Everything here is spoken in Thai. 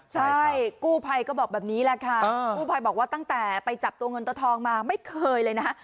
ใช่กู้ภัยก็บอกแบบนี้แหละค่ะกู้ภัยบอกว่าตั้งแต่ไปจับตัวเงินตัวทองมาไม่เคยเลยนะฮะ